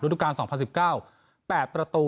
ดูการ๒๐๑๙๘ประตู